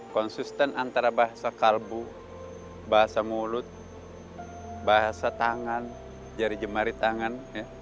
konsisten antara bahasa kalbu bahasa mulut bahasa tangan jari jemari tangan